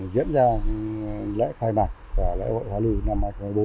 diễn ra lễ khai mạc và lễ hội hoa lư năm hai nghìn bốn